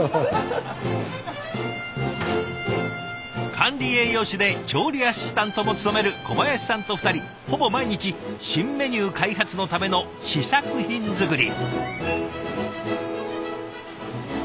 管理栄養士で調理アシスタントも務める小林さんと２人ほぼ毎日新メニュー開発のための試作品作り。